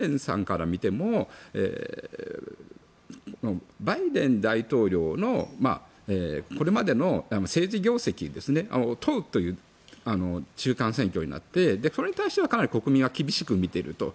一方で言うとバイデンさんから見てもバイデン大統領のこれまでの政治業績を問うという中間選挙になってそれに対しては国民は厳しく見ていると。